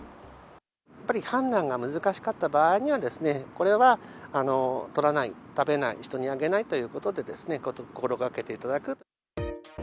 やっぱり判断が難しかった場合には、これは採らない、食べない、人にあげないということで、心がけていただく。